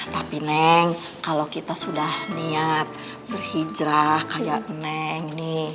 tapi neng kalau kita sudah niat berhijrah kayak neng ini